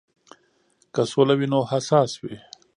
که سوله وي نو حساس وي.